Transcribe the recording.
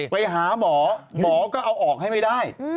ไปหาหมอหมอก็เอาออกให้ไม่ได้